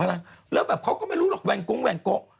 และแบบเค้าไม่รู้หรอกแว่งโก๋แว่งโก๋